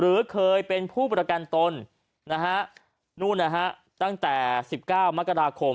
หรือเคยเป็นผู้ประกันตนตั้งแต่๑๙มค